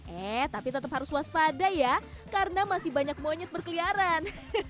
eh tapi tetap harus waspada ya karena masih banyak monyet berkeliaran